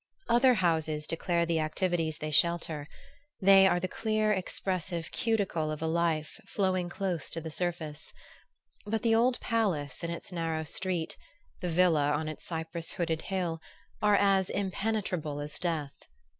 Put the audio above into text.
Other houses declare the activities they shelter; they are the clear expressive cuticle of a life flowing close to the surface; but the old palace in its narrow street, the villa on its cypress hooded hill, are as impenetrable as death.